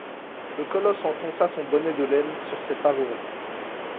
Le colosse enfonça son bonnet de laine sur ses favoris.